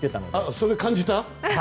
それ感じた？